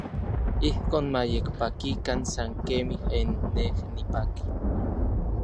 Ijkon ma yekpakikan san kemij n nej nipaki.